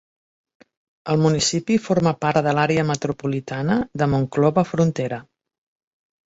El municipi forma part de l'àrea metropolitana de Monclova-Frontera.